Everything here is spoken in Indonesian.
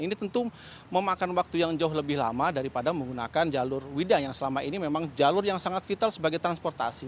ini tentu memakan waktu yang jauh lebih lama daripada menggunakan jalur wida yang selama ini memang jalur yang sangat vital sebagai transportasi